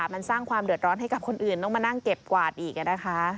มันสร้างความเดือดร้อนให้กับคนอื่นต้องมานั่งเก็บกวาดอีกนะคะ